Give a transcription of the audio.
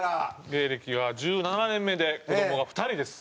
芸歴は１７年目で子供が２人です。